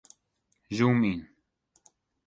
Zoom yn.